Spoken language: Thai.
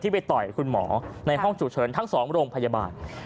ไปต่อยคุณหมอในห้องฉุกเฉินทั้ง๒โรงพยาบาล